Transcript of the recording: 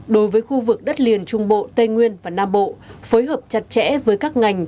ba đối với khu vực đất liền trung bộ tây nguyên và nam bộ phối hợp chặt chẽ với các ngành